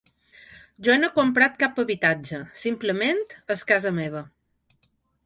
Jo no he comprat cap habitatge, simplement és casa meva.